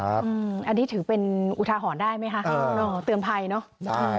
อันนี้ถือเป็นอุทาหรณ์ได้ไหมคะเตือนภัยเนอะ